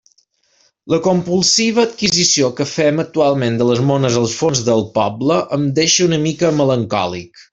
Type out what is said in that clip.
La compulsiva adquisició que fem actualment de les mones als forns del poble em deixa una mica melancòlic.